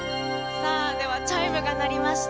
さあ、ではチャイムが鳴りました。